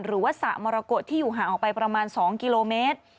สระมรกฏที่อยู่ห่างออกไปประมาณ๒กิโลเมตร